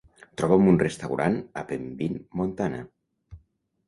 troba'm un restaurant a Pembine Montana